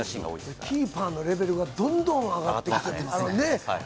キーパーのレベルがどんどん上がっていますね。